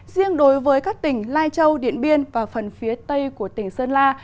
riêng đối với các tỉnh lai châu điện biên và phần phía tây của tỉnh sơn la